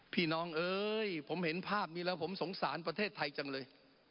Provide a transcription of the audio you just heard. น้องเอ้ยผมเห็นภาพนี้แล้วผมสงสารประเทศไทยจังเลย